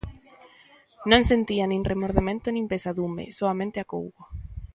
Non sentía nin remordemento nin pesadume, soamente acougo.